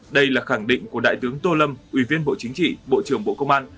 đây là khẳng định của đại tướng tô lâm ủy viên bộ chính trị bộ trưởng bộ công an